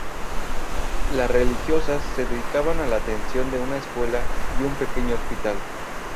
Las religiosas se dedicaban a la atención de una escuela y un pequeño hospital.